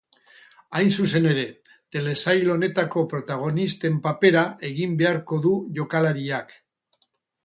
Hain zuzen ere, telesail honetako protagonisten papera egin beharko du jokalariak.